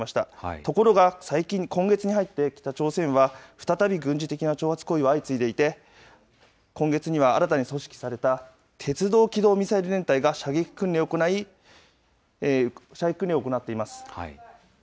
ところが最近、今月に入って北朝鮮は再び軍事的な挑発行為が相次いでいて、今月には新たに組織された鉄道機動ミサイル戦隊が射撃訓練を行っています。